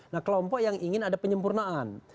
nah kelompok yang ingin ada penyempurnaan